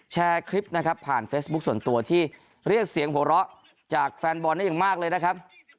แชร์คลิปนะครับผ่านเฟซบุ๊คส่วนตัวที่เรียกเสียงหัวเราะจากแฟนบอลได้อย่างมากเลยนะครับ